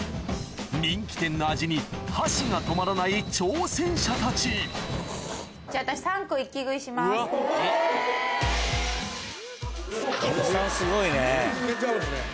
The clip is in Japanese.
人気店の味に箸が止まらない挑戦者たちすごいね。